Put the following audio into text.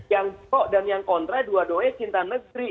yang pro dan yang kontra dua duanya cinta negeri